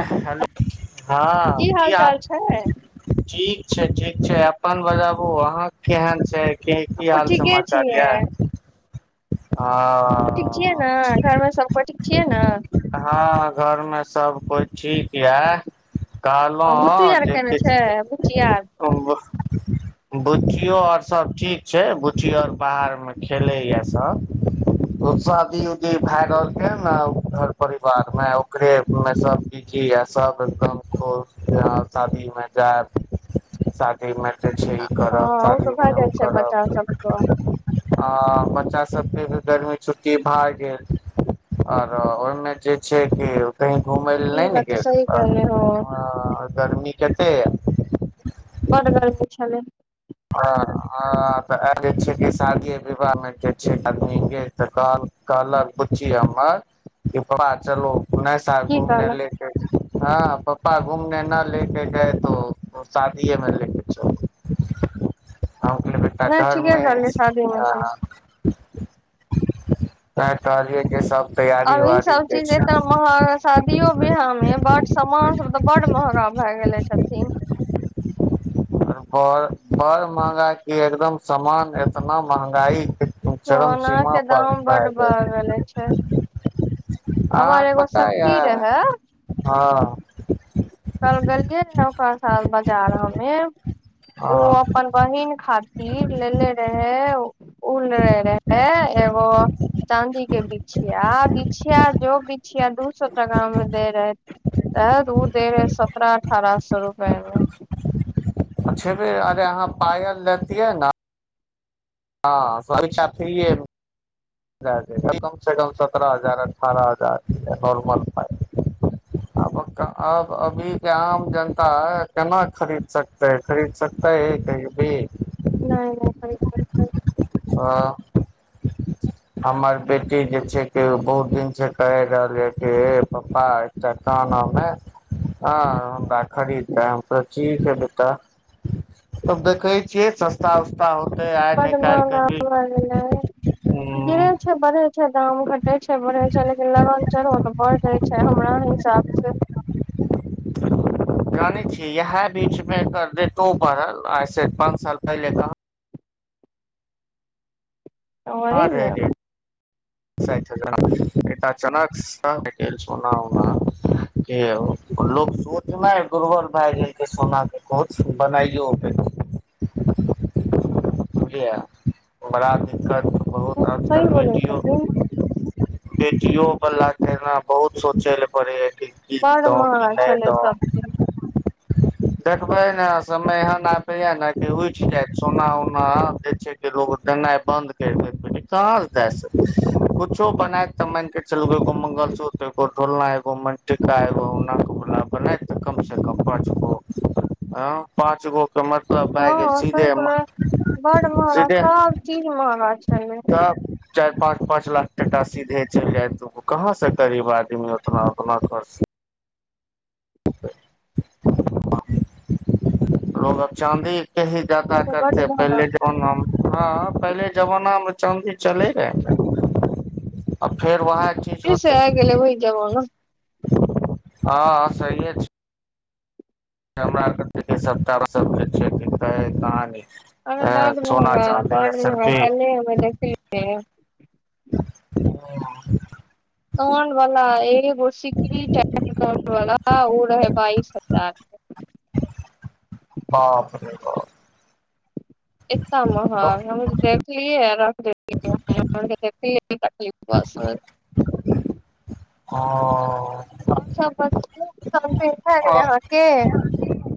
Hello. हँ की हाल ठीक। ठीक छै। अपन बताबू अहाँ केहन छै। की की ओ हाल ठीके समाचार छियै यै। अहाँ ठीक छियै ने? घरमे सभ कोई ठीक छियै ने? घरमे सब कोइ ठीक या। आ बुच्चू कहलहुँ आर जे केने छै बुच्ची कि आर [unintelligible] बुच्चियो आर सब ठीक छै बुच्ची आर बाहर मे खेलेया। सब शादी-उदी भए रहल छैह ने घर परिवारमे ओकरेमें सब कि आ सब एकदम खुश शादी में जायब शादी में। जे छै ई करब, हँ शादी तऽ भए में ओ जाइ छै बच्चा करब। सबके ह बढ़ - बच्चा सबके भी गर्मी छुट्टी भए गेल आओरो ओहि में जे छै कि। कहीं घुमै लए नहि ई ने बात तऽ गेल? सही कहले हो गरमी कते या? बड गर्मी छलै। हँ ह तऽ आ गेल छियै कि शादिये विवाह मे जे छै आदमीे तऽ कह कहलक बुच्ची हमर कि पपा चलु। नया साल की घुमना कहलक लेके हँ पप्पा घुमने न लेके जाएतो तोहर शादियेमे लेके चल जेतो। नहि ठीके कहलियै शादी में आउतै। नहि कहलियै कि सब तैयारी आब ई उयारी सभ के चीज छै एतना महँग शादियो ब्याहमे बड सामान सभ तऽ बड महँगा आब भए गेलै छथिन। एकर बर बड़ महँगा कि एकदम सामान एतना महँगाई के चरम सीमा सोनाके पर दाम भए बड्ड गेल भागल छै। हमर अहाँके एगो पता य सखी रहए। हँ कल गेलखिन पोंर साल बाजार हमे ओर अप हँ अपन बहिन खातिर लेे ले रहै‌। उ लेने रहे एगो चाँदी के बिछिया बिछिया जो बिछिया दू सत्रह ग्राम मे दे रहे रहे उ सत्रह अठारह सौ रुपए मे। छेबे अरे अहाँ पायल लेतिये ने। हँ भर इच्छा फ्रीये म द देत कमसँ कम सत्रह हजार अठारह हजार नॉर्मल इ आ आब अभीके आम जनता केना खरीद सकतै खरीद सकतै कहयो भी। नहि नहि [unintelligible] हँ हमर बेटी जे छै के बहुत दिन छै कहि रहल अय हे पापा एकटा काना मे ह हमरा खरीद दे हम कह ठीक है बेटा देखे छियै सस्ता ता होतै आइ न बड काल महंगा कभी। भए गेलै गिरे छै बढ़ै छै। दाम घट घटै छै बढ़ै छै लेकिन लगन चढ़ो तऽ बढ़ जाय छै हमरा हिसाब सँ। जानै छी इएह बीचमे एकर रेटो बढ़ल आइसँ पाँच साल पहि ले कहाँ? ओ वही ने। छैठ हजार एटा अचान। सध‌‌ गेल सोना उना के ओ लोक सोच में गुरबर भए गेल सोनाके बनाइयो के बुझलियै बड़ा दिक्कत। बहुत आजकल सही बोलै रेडियो। छथिन बेटियों वला के ने बहुत सोचे ले पड़ेे। बड्ड महगा छलै सबचीज। देखबै ने समय एहन आबैय ने कि उठि जायत सोना- उन। जे के लोग देनाइ बंद कैर देत बेटीक, कहां से दय सकै कुछो बनाय त मैन के चलू मंगलसूत्र, एगो ढोलना, एगो मनटीका, एगो नाकवाला बनाए के कम से कम पाँच गो पाँच गो। त मरत बाय हँ गेलसी दे सही अम। कहलियै बड महगा सभचीज महगा छैलै। तऽ चारि पाँच-पाँच लाख टाका सीधे चलि जायत कहाँसँ गरीब आदमी उतना- उतना खर्च। लग अब चाँदी। कही ज्यदा बड करतेै महंगा पहिले जमाना में। हँ पहिले जमाना में चाँदी चले रहेयन आ फेर वहाँ। फिर से आय गेलै वहि जबाना। हँ सहीये छै। हमरा आरके सबटा में छीयै कहानी। अरे बड्ड सोना महगा, चाँदी मे बड्ड महगा, सिर्फी कल्हे हमे देखलयै से कान वाला। एगो सिकरी टा कान वाला ओ रहै बाइस हजार के। बाप रे बाप। एतना महंगा हमे तऽ देखलियै हे। [unintelligible] तकलीफ। हांऽ। [unintelligible] से भैय गेलै अहाँके।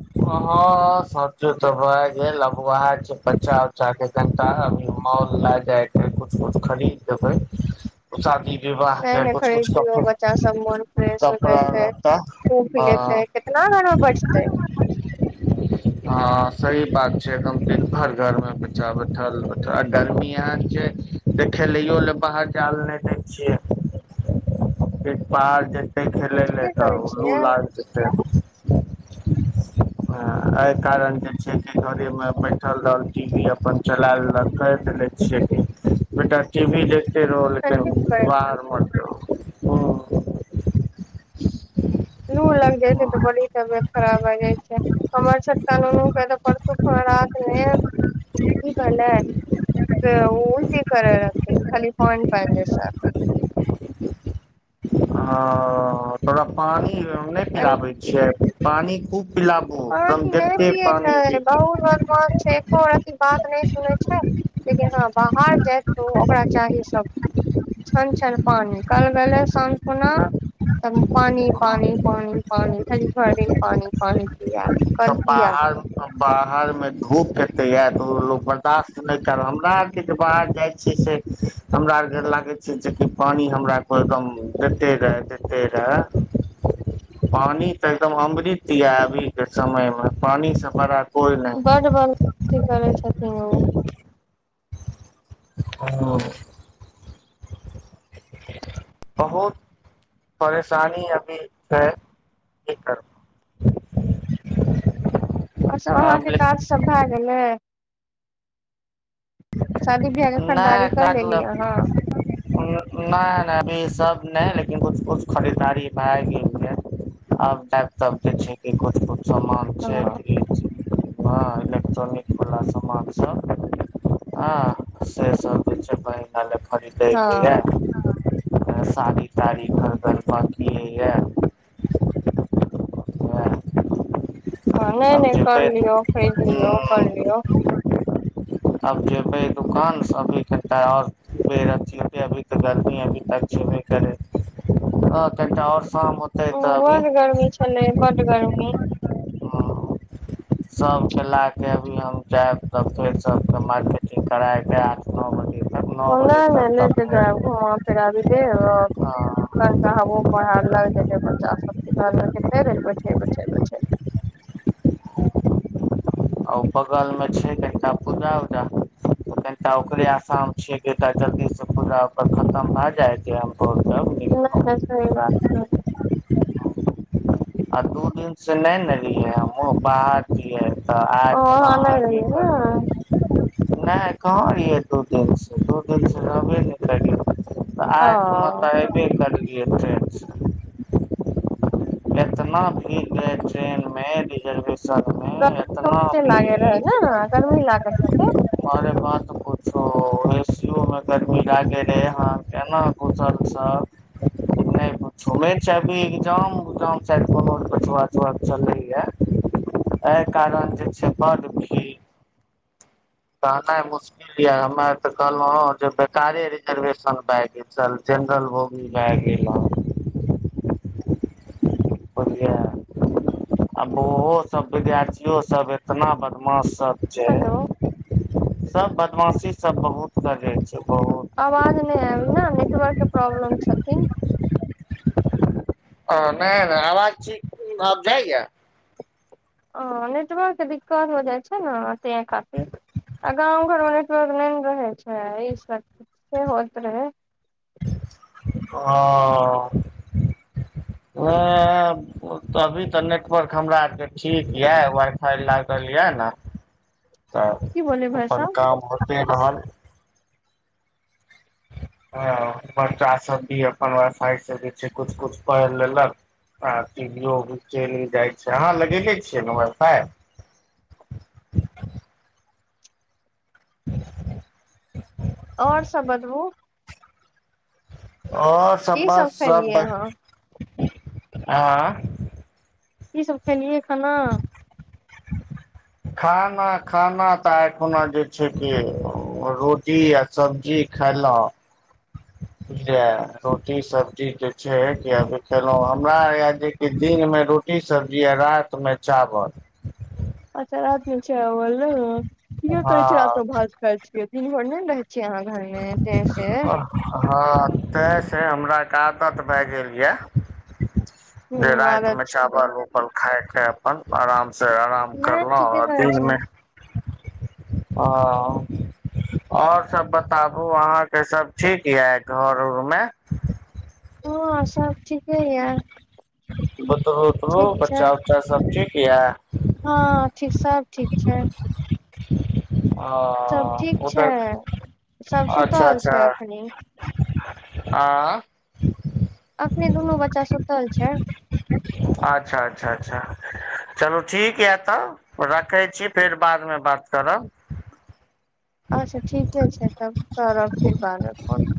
ह सबटे तऽ भए गेल अब वएह छै बच्चा- उच्चा के कनिटा अभी मॉल लए जायके कुछ कुछ खरीद देबै शादी। विवाह नहि के नहि कुछ खरीद कुछ दियौ, बच्चा सब मोन फ्रेश हो कपड़ा जतै लत्ता धुम लेतै आ केितना घर में बैठतै। हँ सही बात छै, दिन भर घर में बच्चा बैठल- बैठल गर्मी एहन छै, तऽ खेलैयो ल बाहर जायल नहि दै छियै बर। तऽ खेलै लए ठीके करै तऽ लू छियै लाग जेतै। हँ। एहि कारण जे छै, कि घरेमे बैठल रहल टी वी अपन चला लेलक कहि देलने छियै कि बेट। टी वी देखते रह हँ लेकिन ठीक करै छी बाहर म रह। हां, [inaudible] खुलल जाइ छै त बड़ी तबियत खराब भए जाय छै। हमर छोटका नुनु के त परसु राति मे कि भेलै ओ उल्टी करय रहथिन, खाली पानि पानि जैसन हां, थोड़ा पानी कि यौ नै पिलाबै छियैथ। पानि खूब। पिलाबू एकदम पानि नहि जते पियैत पानि छै, पी बहुत बदमाश छै एकोरती बात नहि सुनैत छै, लेकिन हँ बाहर जाय तऽ ओ ओकरा चाही सभ। छन छन पानि, काल्हि गेलौं संगे अंगना त पानि पानि तऽ पानि पानि, घड़ी घड़ी पानि पानि इह [inaudible] त बाहर बाहर मे धुप के त ये तो लोक बर्दास्त नहि कर, हमरा आरके जे बाहर जाइ छियै से हमरा आरके लागै छै जेकि पानि हमरा आर के एकदम दैते रहए दैते रहए, पानि त एकदम अमृत या अभीके समयमे पानिसे बड़ा बड बदमासी करै छथिन ओ [unintelligible] बहुत परेशानी अभी -, कि करब? अच्छा अहांके काज सब भए गेलै? शादी बियाह के नै, खरीदारी कर लेलियै कटलक, अहाँ नै नै अभी सब नहि, लेकिन कुछ कुछ खरीददारी भय गेलैयै अब बाकी छै कुछ कुछ हां। हां, इलेक्ट्रॉनिकवला समान सब। हां, से सब जे छै आनि हँ देलक। मर कह छै [unintelligible] साड़ी तारी खरिदब बांकिये ये। हां, नै आब नै कर जेबै लियौ, खरीद लियौ, कर लियौ, आब जेबै दुकान अभी कनेटा और बेर अ अभी त गर्मी अभी तक छेबे करै, हां कनिटा और बड गर्मी छलै, बड गर्मी। सबके लेके अभी हम जायब तब फेरसं त मार्केटिंग करैके एलहुं मन्दिर। कोना नै ले क जायब, घुमा फिराबी लेब हँ तनटाबो पढ़ा लग जेत बच्चा सब बे बै आ ओ बगलमे छै कनिटा पूजा उजा त कनिटा ओकरे आशामे छियै कि जल्दीसं पूजा ओ खतम भए जाय जे भोर तक नहि निकलब सही बात स [unintelligible] आ दु दिनसे नहि ने रहियै हमहुं, बाहर छियै। त आइ ओ कहचना अहाँ नहि आबि रहियै ने गेलियै। नै कहां रहियै दु दिनसे, दु दिनसे रहबे नहि करियै। त ओ आइ कोनो तरहे अयबे केलियै। हां ट्रेनसे, एतना भीड़ रहै ट्रेन मे रिजर्वेशन स [unintelligible] गर्मी ओते लागे रहै ने गरमी लागै रह। पुछु ए सीो मे गरमी लागै रहै ह केना घुसलसँ नहि पुछ नहि छै अभी्जाम उग्जाम कोनोकेछुआछुआ चलैय ब। इहो सब एतना बदमाश सब जे हेलो सभ बदमाशीसब बहुत करै छै बहुत। आवाज नहि आयल ने नेटवर्क के प्रॉब्लम छथिन हँ नहि नहि आवाज ठीकी आब जाइए। ह नेटवर्कके दिक्कत हो जाइ छै ने ते काफी आ गाँव घरमे नेटवर्क नहि ने रहै छै ई सब होइत रहै। ओ ह अभी तऽ नेटवर्क हमरा आरके ठीक यए वाइ फाइ लागल यए ने तऽ की बोले भाय अपन साहब काम होइते रहल। ह बच्चाभ भी अपन व्यासाइसँ जे छै किछु किछु पढ़ि लेलक आ टीवीो भी चलि जाइ छै अहाँ लगेे छियै ने वाइफाइ। [inaudible] आओर सब बदबू आओर सब बात सब खेलियै अहाँ ब आँ। कीसभ खेलियै खाना। खाना खाना तऽ एखना जे छै कि रोटी आ सब्जी खयलहुँ बुझलियै रोटी सब्जी जे छै कि अभी खयलहुँ हमरा य जेकि दिनमे रोटी सब्जी आ रातिमे चावल। अच्छा राति चावल ठीके करै हँ छ र सब भात खााय छियै। द ने रह। हँ ते से हमरा कादत भए गेल यऽ। ह जे राति आदत मे छै चावल उवल खााय के अपन आराम से आराम नहि ठीके करलहुँ करै छै दीनमे। ओ आओर सब बता आबु अहाँ के सब ठीक ये घर उर में। हँ सब ठीके य। ह। बोतरु उतरु ठीक छै बच्चा उच्चा सब ठीक इह। हँ ठ सभ ठीक छै। ह। सभ ठीक छै सभ सुतल छै एखनी आँ। अखने दुनू बच्चा सुतल छै। अच्छा अच्छा अच्छा चलू ठीक यऽ तऽ रखै छी फेर बादमे बात करब। अच्छा ठीके छै तब। त फर ब कोन।